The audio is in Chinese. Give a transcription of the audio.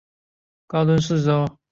高墩四周有多条河流环绕。